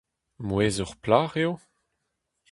Mouezh ur plac'h eo ?